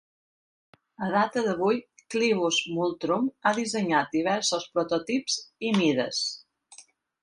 A data d'avui, Clivus Multrum ha dissenyat diversos prototips i mides.